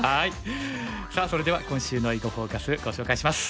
さあそれでは今週の「囲碁フォーカス」ご紹介します。